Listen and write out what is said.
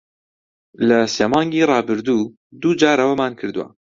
لە سێ مانگی ڕابردوو، دوو جار ئەوەمان کردووە.